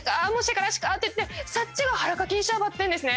からしかって言ってさっちがはらかきんしゃばってんですね